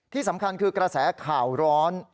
ที่สำคัญคือกระแสข่าวร้อน